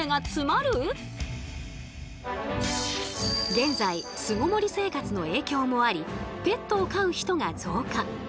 現在巣ごもり生活の影響もありペットを飼う人が増加。